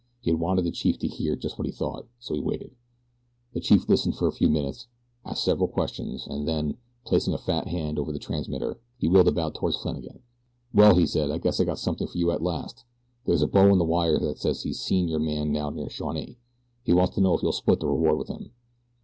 He had wanted the chief to hear just what he thought, so he waited. The chief listened for a few minutes, asked several questions and then, placing a fat hand over the transmitter, he wheeled about toward Flannagan. "Well," he said, "I guess I got something for you at last. There's a bo on the wire that says he's just seen your man down near Shawnee. He wants to know if you'll split the reward with him."